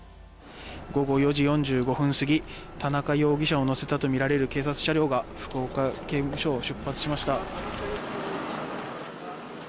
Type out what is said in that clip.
午後４時４５分過ぎ田中容疑者を乗せたとみられる警察車両が福岡刑務所を出発しました。